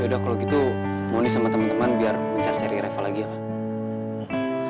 yaudah kalau gitu moni sama teman teman biar mencari cari refal lagi ya kak